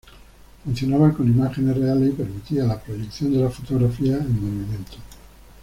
Funcionaba con imágenes reales y permitía la proyección de las fotografías en movimiento.